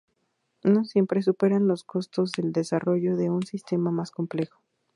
No siempre superan los costos del desarrollo de un sistema más complejo.